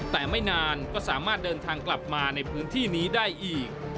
แต่ไม่นานก็สามารถเดินทางกลับมาในพื้นที่นี้ได้อีก